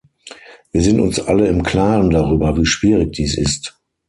Wir sind uns alle im klaren darüber, wie schwierig dies ist.